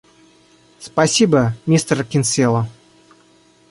Спасибо, мистер Кинсела.